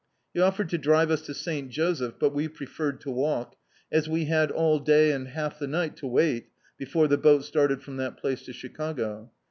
He offered to drive us to St Joseph, but we preferred to walk, as we had all day and half the ni^t to wait before the boat started from that place to Chicago.